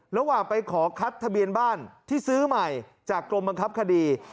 ระหว่างไปขอคัดทะเบียนบ้านที่ซื้อใหม่จากกรมบังคับคดี